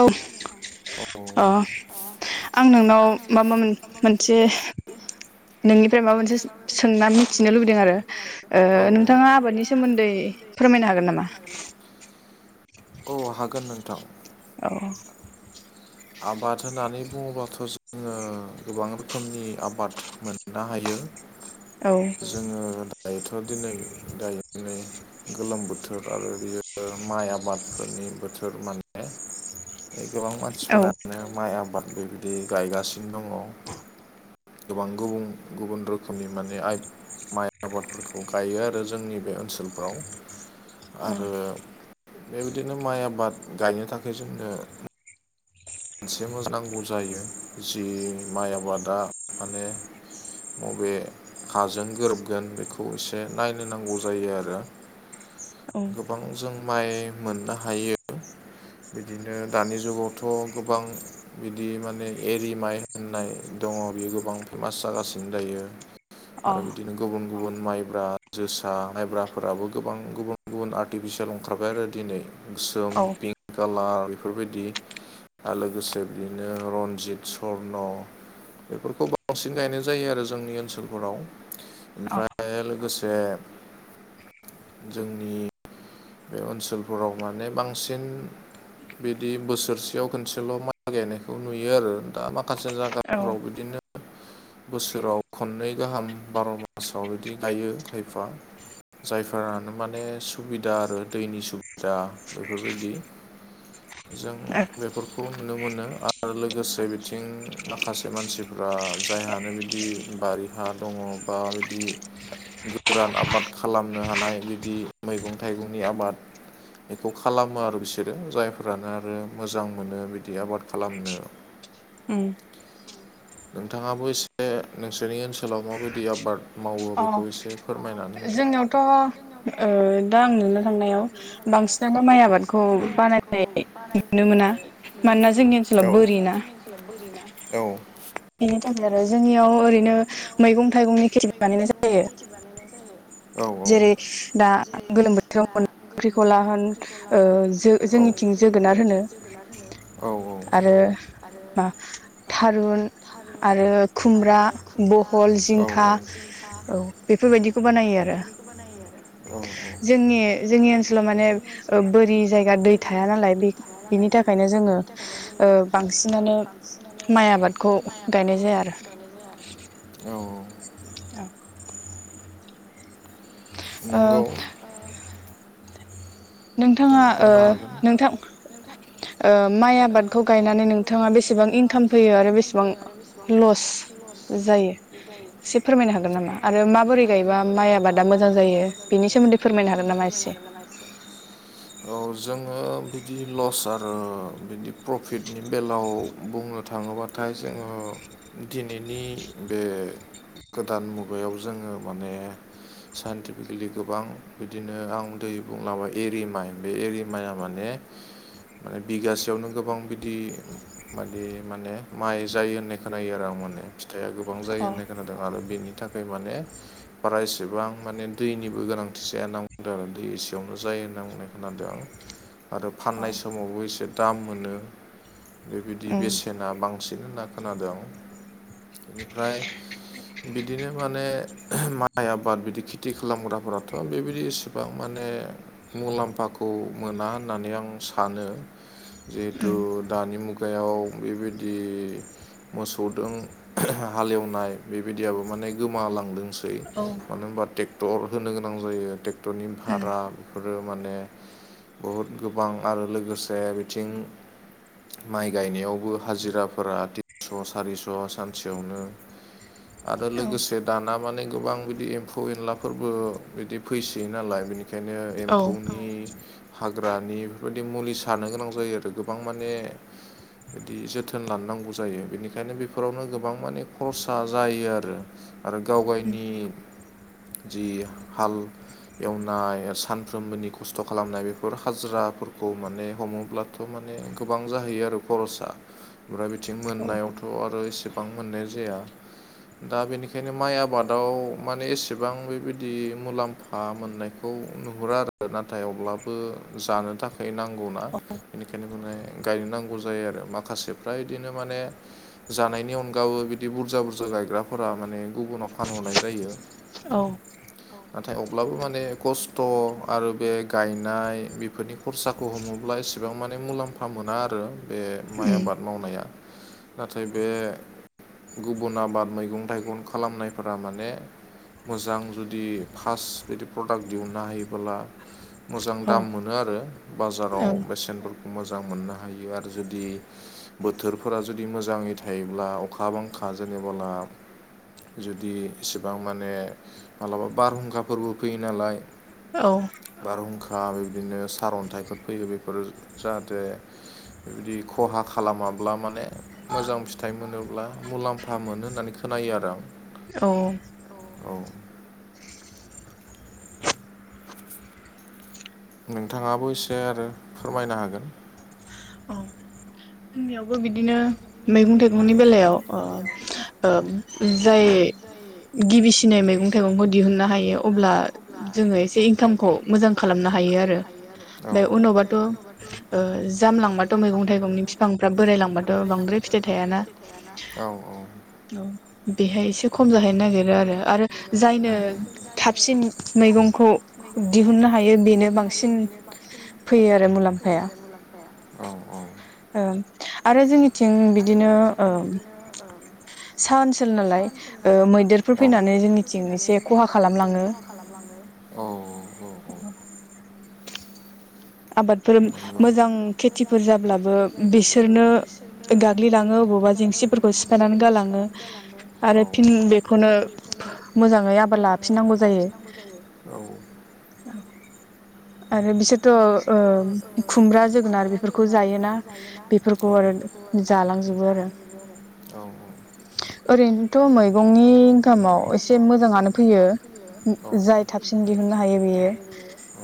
औ ओ अ नोंथाङा आं नोंनाव माबा मोनसे नोंनिफ्राय माबा मोनसे सोंना मिथिनो लुबैदों आरो ओ नोंथाङा आबादनि सोमोन्दै फोरमायनो हागोन नामा? औ हागोन नोंथां। औ आबाद होननानै बुङोबाथ' जोंङो गोबां रोखोमनि आबाद मोननो हायो। [inaudible] औ जोंङो दायोथ' दिनै गायनानै गोलोम बोथोर आरो बियो माइ आबादफोरनि बोथोर माने गोबां औ मानसिफोरानो माइ आबाद बेबायदि गायगासिनो दंङ। गोबां गुबुन गुबुन रोखोमनि माने आइ माइ आबादफोरखौ गायो आरो जोंनि बे ओनसोलफ्राव। आरो बेबायदिनो माइ आबाद गायनो थाखाय जोंनो मोनसेबो नांगौ जायो जि माइ आबादा माने अ बे हाजों गोरोबगोन बेखौ एसे नायलाय नांगौ जायो आरो। औ गोबां जों माइ मोननो हायो। बिदिनो दानि जुगावथ' गोबां बिदि माने एरि माइ होननाय दंङ बियो गोबां फेमास जागासिनो दायो। आरो बिदिनो गुबुन गुबुन माइब्रा जोसा माइब्राफोराबो गोबां गुबुन गुबुन आर्टिफिसियेल ओंखारबाय आरो दिनै। गोसोम अ औ पिंक कालार बेफोरबायदि। आरो लोगोसे बिदिनो रन्जित सर्न। बेफोरखौ बांसिन गायनाय जायो आरो जोंनि ओनसोलफोराव। ओमफ्राय लोगोसे जोंनि बे ओनसोलफोराव माने बांसिन बिदि बोसोरसेयाव खनसेल' मागायनायखौ नुयो आरो दा माखासे जागा औ फ्राव बिदिनो बोसोराव खननै गाहाम बार' मासाव बिदि गायो खायफा। जायफोरानो माने सुबिदा आरो दैनि सुबिदा बेफोरबायदि। जों औ बेफोरखौ नुनो मोनो आरो लोगोसे बिथिं माखासे मानसि बा जायहानो बिदि बारि हा दंङ बा बिदि गोरान आबाद खालामनो हानाय बिदि मैगं थाइगंनि आबाद बेखौ खालामो आरो बिसोरो जायफोरानो आरो मोजां मोनो बिदि आबाद खालामनो। उम नोंथांङाबो एसे नोंसोरनि ओनसोलाव माबायदि आबाद मावो अ बेखौ एसे फोरमायनानै होदो जोंनियावथ' दा आं नुनो थांनायाव बांसिनानो माइ आबादखौ बानायनाय नुनो मोना। मानोना जोंनि ओनसोलाव बोरि ना। बोरिना औ। बेनि थाखाय आरो जोंनियाव ओरैनो मैगं थाइगंनि खेथि बानायनाय जायो। औ जेरै औ दा गोलोम बोथोराव मोननाय खांख्रिंखला होन ओ जो औ जोंनिथिं जोगोनार होनो। औ औ आरो मा थारुन आरो खुमब्रा बहल औ जिंखा औ औ बेफोरबायदिखौ बानायो आरो। औ जोंनि जोंनि ओनसोलाव माने ओ बोरि जायगा दै थाया नालाय बे बिनि थाखायनो जोङो ओबांसिनानो माइ आबादखौ गायनाय जाया आरो। गायनाय जाया औ ओ नोंगौ। नोंथांङा ओ बुंनो नोंथां ओ माइ आबादखौ गायनानै नों नोंथांङा बेसेबां इनकाम फैयो आरो बेसेबां लस जायो? एसे फोरमायनो हागोन नामा आरो माबोरै गायोबा माइ आबादा मोजां जायो बेनि सोमोन्दै फोरमायनो हागोन नामा एसे? खनायसे औ जोङो बिदि लस आरो बिदि प्रफिटनि बेलायाव बुंनो थाङोब्ला नाथाय जोङो दिनैनि बे गोदान मुगायाव जोङो माने साइन्टिफिकेलि गोबां बिदिनो आउ दै बुंलाबाय एरि माइ बे एरिमाया माने माने बिगासेयावनो गोबां बिदि मादि माने माइ जायो होननाय खोनायो आरो आं माने फिथाइआ गोबां जायो अ होननाय खोनादों। आरो बेनि थाखाय माने बारा एसेबां माने दैनिबो गोनांथि जाया ना बुंदों आरो दै एसेयावनो जायो होनना बुंदों। खोनादों आं आरो अ फाननाय समावबो एसे दाम मोनो। बेबायदि उम बेसेना बांसिन होनना खोनादोंं आं बेनिफ्राय बिदिनो माने माइ आबाद बिदि खेथि खालामग्राफोराथ' बेबायदि एसेबां गोबां माने मुलाम्फा खौ मोना होननानै आं सानो जिहेथु दानि मुगायाव बेबायदि मोसौदों हालेवनाय बेबायदियाबो माने गोमालांदोंसै दै औ मानो होनबा ट्रेक्टर होनो गोनां जायो ट्रेक्टरनि भारा बेफोरो माने बहुद गोबां आरो लोगोसे बिथिं माइ गायनायावबो हाजिराफोरा थिनस' सारिस' सानसेयावनो [inaudible] आरो औ लोगोसे दाना माने गोबां बिदि एम्फौ एनलाफोरबो बिदि फैसैयो नालाय बिनि बेखायनो औ एम्फौनि हाग्रानि बेफोरबायदि मुलि सारनो गोनां जायो आरो गोबां माने बिदि जोथोन लाननांगौ जायो बेनिखायनो बेफोरावनो गोबां माने खरसा जायो आरो। आरो गाव उम गावनि जि हाल एवनाय सानफ्रोमबोनि खस्थ' खालामनाय बेफोर हाजिराफोरखौ माने हमोब्लाथ' माने गोबां जाहैयो आरो खरसा फ्राय बिथिं मोननायावथ' आरो एसेबां मोननाय जाया दा बेनिखायनो माइ आबादाव माने एसेबां बेबायदि मुलाम्फा हा मोननायखौ नुहुरा आरो नाथाय अब्लाबो जानो थाखाय नांगौना बेनिखायनो माने गायनो नांगौ जायो आरो माखासेफ्रा इदिनो माने जानायनि अनगाबो बिदि बुरजा बुरजा गायग्राफोरा माने गुबुनाव फानहरनाय जायो। औ नाथाय अब्लाबो माने खस्थ' आरो बे गायनाय बेफोरनि खरसाखौ हमोब्ला एसेबां माने मुलाम्फा मोना आरो। बे माइ आबाद मावनाया नाथाय बे गुबुन आबाद मैगं थाइगं खालामनायफोरा माने मोजां जुदि फार्स्ट बिदि प्रडाक्ट दिहुननो हायोबोला मोजां दाम मोनो आरो बाजाराव ओं बेसेनफोरखौ मोजां मोननो हायो आरो जुदि बोथोरफोरा जुदि मोजाङै थायोब्ला अखा बांखा जेनेबोला जुदि इसेबां माने मालाबा बारहुंखाफोरबो फैयो नालाय औ बारहुंखा बिदिनो सारन्थाइफोर फैयो बेफोर जाहाथे बेबायदि खहा खालामाब्ला माने मोजां फिथाइ मोनोब्ला मुलाम्फा मोनो होननानै खोनायो आरो आं औ औ नोंथाङाबो इसे आरो फोरमायनो हागोन अ' [inaudible] जोंनियावबो बिदिनो मैगं थाइगंनि बेलायाव जाय गिबिसिन फिसिनाय मैगं थाइगंखौ दिहुननो हायो अब्ला जोङो एसे इनकामखौ मोजां खालामनो हायो आरो औ ओमफ्राय उनावबाथ' जामलांबाथ' मैगं थाइगंनि फि बिफांफ्रा बोराय लांबाथ' बांद्राय फिथाइ थायाना औ औ औ बेहाय एसे खम जाहैनो नागिरो आरो आरो जायनो थाबसिन मैगंखौ दिहुननो हायो बेनो बांसिन फैयो आरो मुलाम्फाया ओ आरो जोंनिथिं बिदिनो ओ सा ओनसोल नालाय मैदेरफोर फैनानै जोंनिथिं एसे खहा खालामलाङो आबादफोर मोजां खेथिफोर जाब्लाबो बिसोरनो गाग्लिलाङो अबावबा जेंसिफोरखौ सिफायनानै गालाङो आरो औ फिन बेखौनो मोजाङै आबाद लाफिननांगौ जायो औ आरो बिसोरथ' खुमब्रा जोगोनार बेफोरखौ जायोना बेफोरखौ आरो जालांजोबो आरो औ ओरैनोथ' मैगंनि इनकामाव एसे मोजाङानो फैयो औ जाय थाबसिन दिहुननो हायो बेयो औ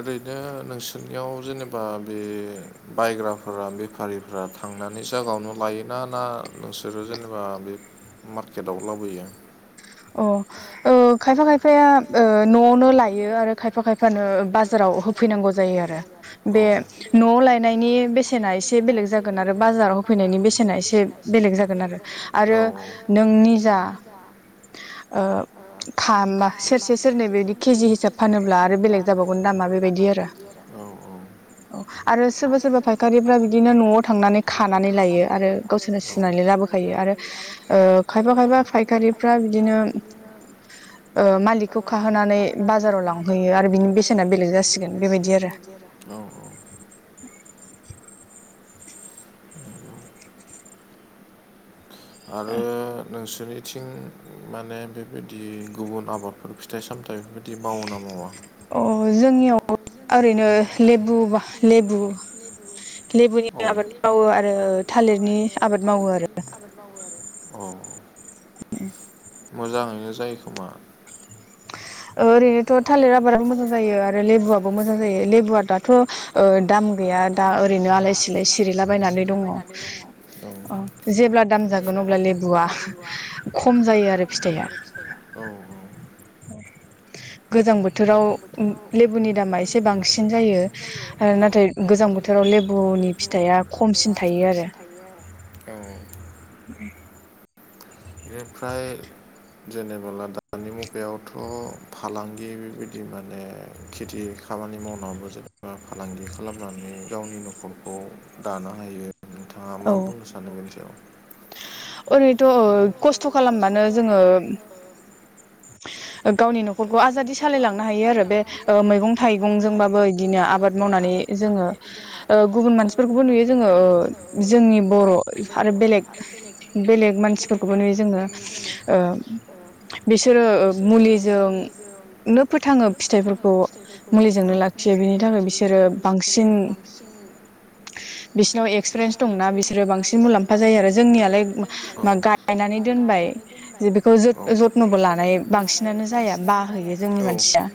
ओरैनो नोंसोरनियाव जेनेबा बे बायग्राफोरा बेफारि थांनानै जायगायावनो लायोना ना नोंसोरो जेनेबा बे मार्केटआव लाबोयो अ ओ खायफा खायफाया ओ न'आवनो लायो आरो खायफा खायफानो बाजाराव होफैनांगौ जायो आरो औ बे न'आव लायनायनि बेसेना एसे बेलेग जागोन आरो बाजाराव होफैनायनि बेसेना एसे बेलेग जागोन आरो आरो नोंनि जा ओ थामा सेरसे सेरनै बेदि केजि हिसाब फानोब्ला आरो बेलेग जाबावगोन दामा बेबायदि आरो औ औ औ आरो सोरबा सोरबा फायखारिफ्रा बिदिनो न'आव थांनानै खानानै लायो आरो गावसोरनो सुनानै लाबो थायो आरो ओ खायफा खायफा फायखारिफ्रा बिदिनो [inaudible] ओ‌मालिखखौ खाहोनानै बाजाराव लांहैयो आरो बिनि बेसेना बेलेग जासिगोन बेबायदि आरो औ अ [unintelligible] दा [unintelligible] नोंसोरनिथिं माने बेबायदि गुबुन आबादफोर फिथाइ सामथाइ बेफोरबायदि मावो ना मावा अ जोंनियाव ओरैनो लेबु बा लेबु लेबुनि औ आबाद मावो आरो थालिरनि आबाद मावो आरो औ मोजाङैनो जायोखोमा। ओ ओरैनोथ' थालिर आबादाबो मोजां जायो आरो लेबुआबो मोजां जायो लेबुआ दाथ' ओ दाम गैया दा ओरैनो आलाय सिलाय सिरिलाबायनानै दङ' औ अ। जेब्ला दाम जागोन अब्ला लेबुआ खम जायो आरो फिथाइया। औ गोजां बोथोराव लेबुनि दामा एसे बांसिन जायो। ओ औ नाथाय गोजां बोथोराव लेबुनि फिथाइया खमसिन थायो आरो। बि बेनिफ्राय जेनेबोला दानि मुगायावथ' फालांगि बेबायदि माने खेथि खामानि मावनाबो जेनेबा फालांगि खालामनानै गावनि न'खरखौ दानो हायो नोंथाङा मा बुंनो सानो बेनि सायाव? ओरैनोथ' खस्थ' खालामबानो जोङो गावनि न'खरखौ आजादि सालायलांनो हायो आरो बे ओ मैगं थाइगंजोंबाबो बिदिनो आबाद मावनानै जोङो ओ गुबुन मानसिफोरखौबो नुयो जोङो जोंनि बर' आरो बेलेग बेलेग मानसिफोरखौबो नुयो जोङो ओ बिसोरो ओ मुलिजोंनो फोथाङो फिथाइफोरखौ। मुलिजोंनो औ लाखियो बिनि थाखाय बिसोरो बांसिन [unintelligible] बिसिनाव एक्सपिरेन्स दंना बिसोरो बांसिन मुलाम्फा जायो आरो जोंनियालाय मा गायनानै दोनबाय जे बेखौ ज ज नबो लानाय बांसिनानो जाया बाहैयो जोंनि मानसिया।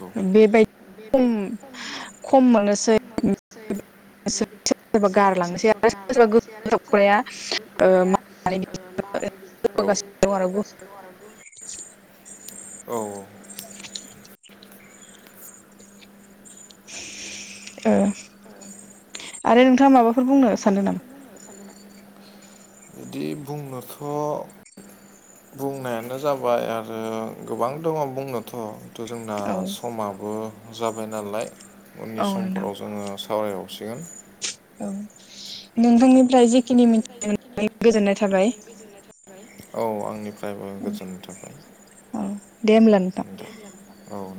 औ। बेबायदि खम खम मोनोसै [unintelligible] गोख्रोबग्राया [unintelligible] औ। [unintelligible] औ औ। ओ आरो नोंथाङा माबाफोर बुंनो सानदों नामा? बिदि बुंनोथ' नो जाबाय आरो गोबां दङ' बुंनोथ' थ जोंना औ समाबो जाबाय नालाय उननि औ नोंथां समफोराव जोङो सावरायबावसिगोन। औ नोंथांनिफ्राय जेखिनि मिथिनो मोन्नानै गोजोननाय थाबाय। औ आंनिफ्रायबो गोजोननाय थाबाय। औ दे होमब्ला नोंथां। दे औ